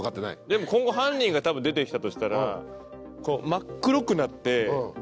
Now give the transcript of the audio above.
でも今後犯人が多分出て来たとしたら。